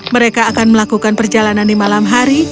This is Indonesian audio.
mereka akan melakukan perjalanan di malam hari